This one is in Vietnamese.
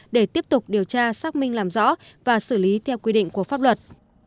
để tiếp tục điều tra xác minh làm rõ và xử lý theo quy định của pháp luật